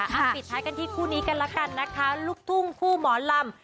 ปิดท้ายกันที่คู่นี้กันละกันนะคะลูกทุ่งคู่หมอลำ